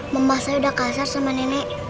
membahas saya udah kasar sama nenek